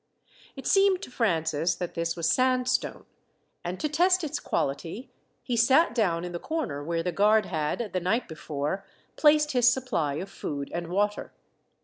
It seemed to Francis that this was sandstone, and to test its quality, he sat down in the corner where the guard had, the night before, placed his supply of food and water.